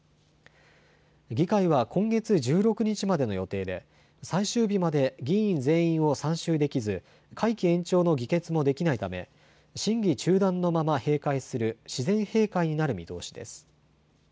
議会は今月１６日までの予定で最終日まで議員全員を参集できず会期延長の議決もできないため審議中断のまま閉会する自然閉会になる見通しです。